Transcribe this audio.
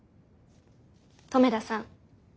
留田さん